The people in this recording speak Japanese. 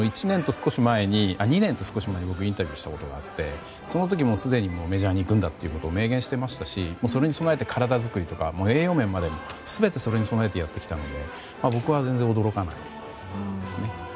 ２年と少し前に僕はインタビューしたことあってその時もうすでにメジャーに行くんだって明言していましたしそれに備えて体作りとか栄養面まで全てそれに備えてやってきたので僕は全然驚かないですね。